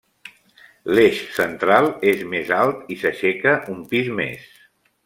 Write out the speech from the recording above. L'eix central és més alt i s'aixeca un pis més.